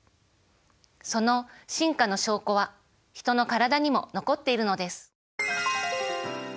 その進化の証拠はヒトの体にも残っているのです。